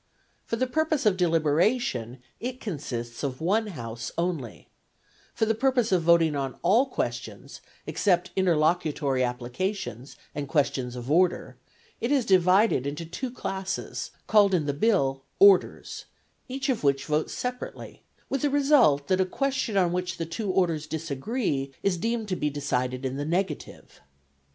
For the purpose of deliberation it consists of one House only; for the purpose of voting on all questions (except interlocutory applications and questions of order), it is divided into two classes, called in the Bill "Orders," each of which votes separately, with the result that a question on which the two orders disagree is deemed to be decided in the negative.